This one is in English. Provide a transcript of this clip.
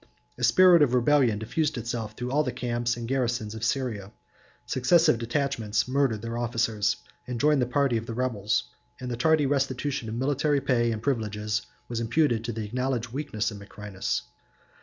A spirit of rebellion diffused itself through all the camps and garrisons of Syria, successive detachments murdered their officers, 48 and joined the party of the rebels; and the tardy restitution of military pay and privileges was imputed to the acknowledged weakness of Macrinus.